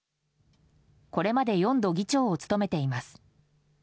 これまで４度議長を務めています。